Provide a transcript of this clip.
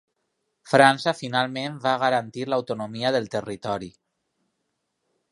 França finalment va garantir l'autonomia del territori.